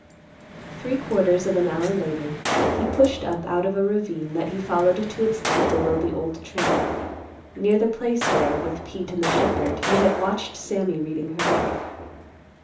Three quarters of an hour later, he pushed up out of a ravine that he followed to its head below the Old Trail, near the place where, with Pete and the shepherd, he had watched Sammy reading her letter.